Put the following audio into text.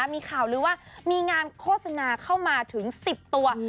มีข่าวลือว่ามีงานโฆษณาเข้ามาถึง๑๐ตัว